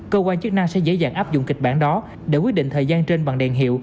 cơ quan chức năng sẽ dễ dàng áp dụng kịch bản đó để quyết định thời gian trên bằng đèn hiệu